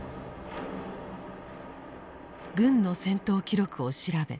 軍の戦闘記録を調べ